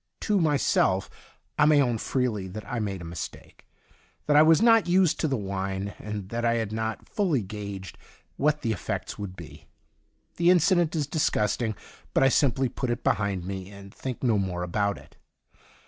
To myself I may own freely that I made a mistake, that I was not used to the wine, and that I had not fully gauged what the effects would be. The incident is disgusting, but I simply put it behind me, and think no more about it.